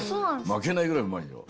まけないぐらいうまいよ。